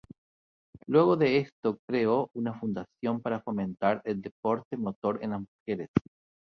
Luego de esto, creó una fundación para fomentar el deporte motor en las mujeres.